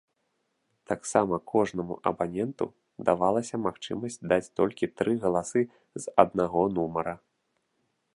Таксама кожнаму абаненту давалася магчымасць даць толькі тры галасы з аднаго нумара.